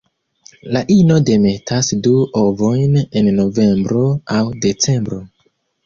La ino demetas du ovojn en novembro aŭ decembro.